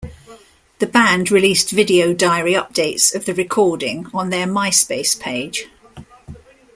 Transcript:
The band released video diary updates of the recording on their MySpace page.